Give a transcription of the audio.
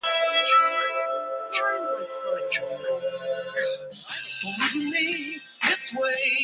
The line was Posen's first official bridal collection.